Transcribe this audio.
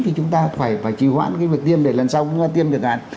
thì chúng ta phải trì hoãn cái việc tiêm để lần sau tiêm được ăn